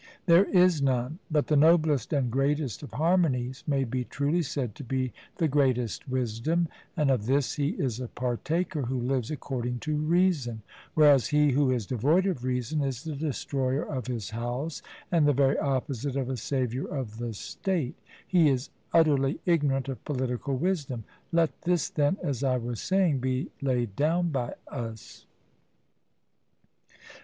There is none; but the noblest and greatest of harmonies may be truly said to be the greatest wisdom; and of this he is a partaker who lives according to reason; whereas he who is devoid of reason is the destroyer of his house and the very opposite of a saviour of the state: he is utterly ignorant of political wisdom. Let this, then, as I was saying, be laid down by us.